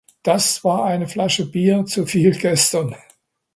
Das war eine Flasche Bier zuviel gestern.